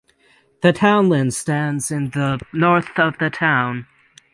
The townland stands in the north of the town.